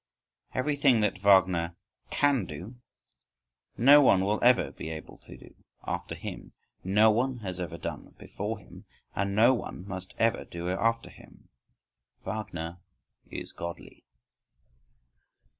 Everything that Wagner can do, no one will ever be able to do after him, no one has ever done before him, and no one must ever do after him. Wagner is godly.